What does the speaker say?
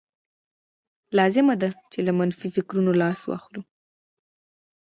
لازمه ده چې له منفي فکرونو لاس واخلئ